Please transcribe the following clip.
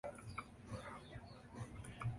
Su Cutie Mark es una nube y una rain-plosión sónica.